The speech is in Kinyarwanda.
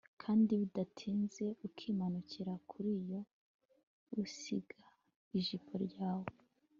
kandi bidatinze, ukimanuka kuri yo, uzasiga ijisho ryawe